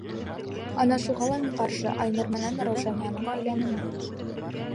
Ана шуға ла мин ҡаршы Айнур менән Раушанияның өйләнеүенә!